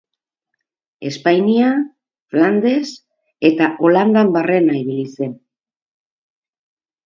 Espainia, Flandes eta Holandan barrena ibili zen.